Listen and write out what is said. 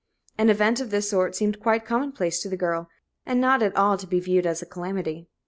An event of this sort seemed quite commonplace to the girl, and not at all to be viewed as a calamity.